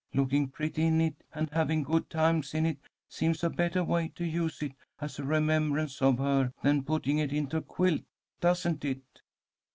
Looking pretty in it and having good times in it seems a bettah way to use it as a remembrance of her than putting it into a quilt, doesn't it?"